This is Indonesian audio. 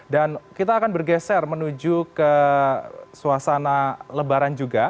dan kita akan bergeser menuju ke suasana lebaran juga